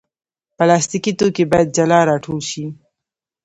پلاستيکي توکي باید جلا راټول شي.